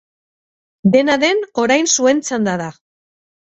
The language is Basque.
Dena den, orain zuen txanda da!